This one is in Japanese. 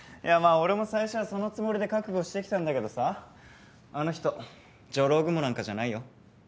俺も最初はそのつもりで覚悟してきたんだけどさあの人ジョロウグモなんかじゃないよ。